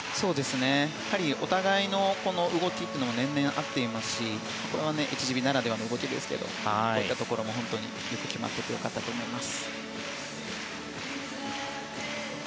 やはりお互いの動きというのも年々合っていますしこれはエキシビならではの動きですがこういったところもよく決まっててよかったと思います。